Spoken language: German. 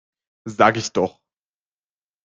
Sag ich doch!